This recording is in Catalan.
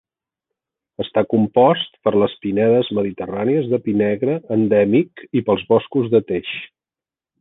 Està compost per les pinedes mediterrànies de pi negre endèmic i pels boscos de teix.